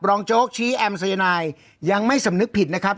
รองเจ้าหกชี้แอมม์สายนายยังไม่สำนึกผิดนะครับ